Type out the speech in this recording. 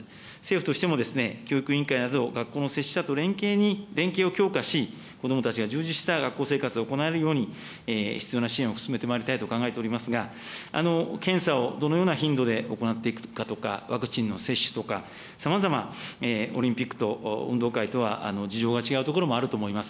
政府としても、教育委員会など、学校の設置者と連携を強化し、子どもたちが充実した学校生活を行えるように、必要な支援を進めてまいりたいと考えておりますが、検査をどのような頻度で行っていくかとか、ワクチンの接種とか、さまざまオリンピックと運動会とは事情が違うところもあると思います。